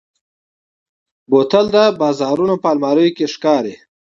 بوتل د بازارونو پر الماریو ښکاري.